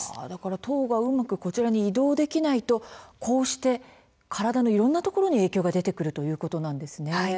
糖がうまく移動できないとこうして体のいろいろなところに影響が出てくるということなんですね。